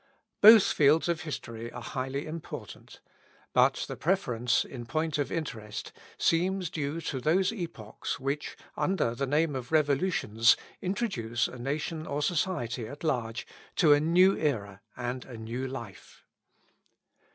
Both fields of history are highly important; but the preference, in point of interest, seems due to those epochs which, under the name of Revolutions, introduce a nation or society at large to a new era and a new life.